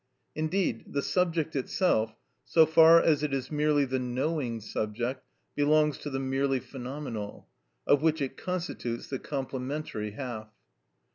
Indeed the subject itself (so far as it is merely the knowing subject) belongs to the merely phenomenal, of which it constitutes the complementary half.